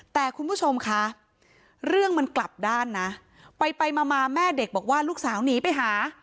แต่คุณผู้ชมคะเรื่องมันกลับด้านนะไปไปมามาแม่เด็กบอกว่าลูกสาวหนีไปหา